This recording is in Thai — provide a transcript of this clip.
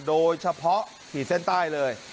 โดยเฉพาะที่เส้นใต้เลย